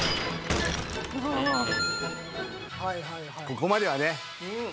ここまではね。